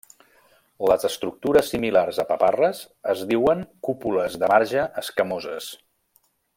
Les estructures similars a paparres es diuen cúpules de marge escamoses.